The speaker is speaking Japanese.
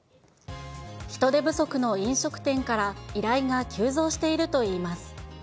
人手不足の飲食店から、依頼が急増しているといいます。